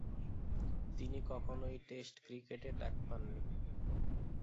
তিনি কখনোই টেস্ট ক্রিকেটে ডাক পান নি।